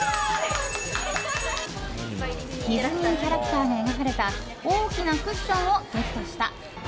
ディズニーキャラクターが描かれた大きなクッションをゲットした。